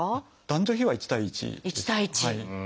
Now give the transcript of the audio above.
男女比は１対１です。